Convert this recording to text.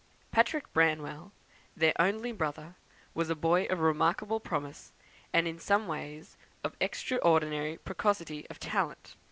Patrick Branwell, their only brother, was a boy of remarkable promise, and, in some ways, of extraordinary precocity of talent.